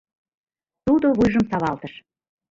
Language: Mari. Тудо вуйжым савалтыш.